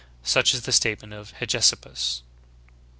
Such is the statement of Heges ippus."'' 18.